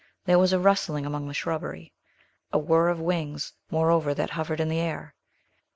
There was a rustling among the shrubbery; a whir of wings, moreover, that hovered in the air.